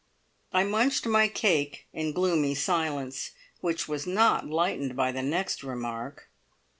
I munched my cake in gloomy silence, which was not lightened by the next remark.